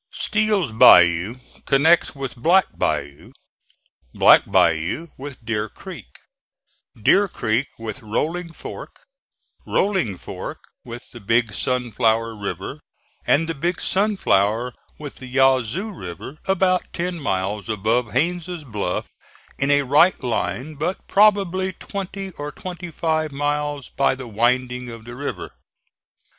Steel's Bayou connects with Black Bayou, Black Bayou with Deer Creek, Deer Creek with Rolling Fork, Rolling Fork with the Big Sunflower River, and the Big Sunflower with the Yazoo River about ten miles above Haines' Bluff in a right line but probably twenty or twenty five miles by the winding of the river.